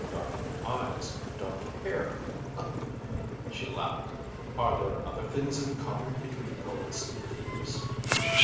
Dark eyes, dark hair." She laughed. "Are there other things in common between poets and thieves?"